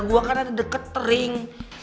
gue kan ada deket kering